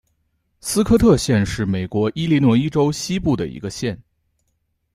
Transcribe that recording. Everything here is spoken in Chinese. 斯科特县是美国伊利诺伊州西部的一个县。